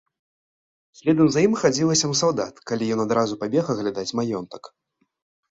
Следам за ім хадзіла сем салдат, калі ён адразу пабег аглядаць маёнтак.